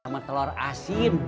sama telur asin